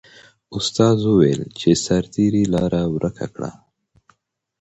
استاد وویل چې سرتیري لاره ورکه کړه.